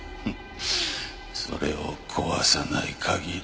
それを壊さない限り。